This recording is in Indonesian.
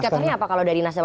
kotornya apa kalau dari nasdem